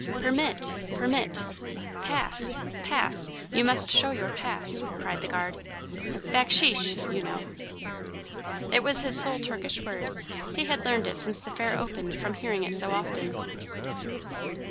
"Permit! Permit! Pass! Pass! You must show your pass!" cried the guard. "Backsheesh, you know." It was his sole Turkish word. He had learned it since the Fair opened from hearing it so often.